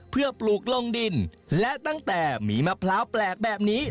เพื่อปลูกลงดินและตั้งแต่มีมะพร้าวแปลกแบบนี้